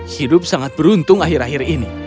hidup sangat beruntung akhir akhir ini